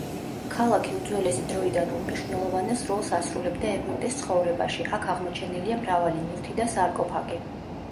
ქალაქი უძველესი დროიდან უმნიშვნელოვანეს როლს ასრულებდა ეგვიპტის ცხოვრებაში, აქ აღმოჩენილია მრავალი ნივთი და სარკოფაგი.